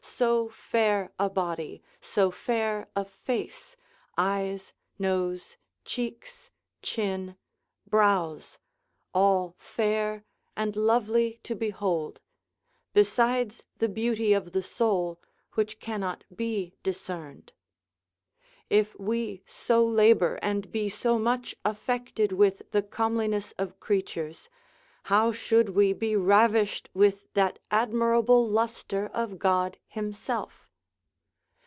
so fair a body, so fair a face, eyes, nose, cheeks, chin, brows, all fair and lovely to behold; besides the beauty of the soul which cannot be discerned. If we so labour and be so much affected with the comeliness of creatures, how should we be ravished with that admirable lustre of God himself?